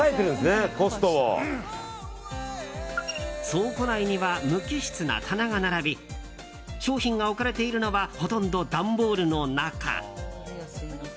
倉庫内には無機質な棚が並び商品が置かれているのはほとんど段ボールの中。